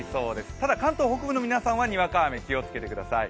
ただ関東北部の皆さんはにわか雨、気をつけてください。